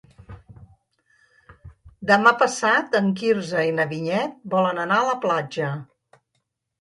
Demà passat en Quirze i na Vinyet volen anar a la platja.